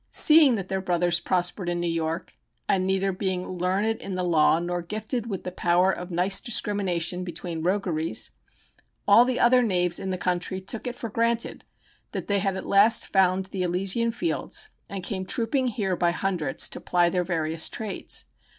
Seeing that their brothers prospered in New York, and neither being learned in the law nor gifted with the power of nice discrimination between rogueries, all the other knaves in the country took it for granted that they had at last found the Elysian fields and came trooping here by hundreds to ply their various trades.